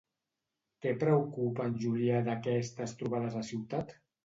Què preocupa en Julià d'aquestes trobades a ciutat?